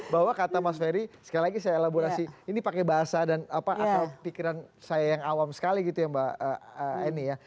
bahwa kata mas ferry sekali lagi saya elaborasi ini pakai bahasa dan apa atau pikiran saya yang awam sekali gitu ya mbak eni ya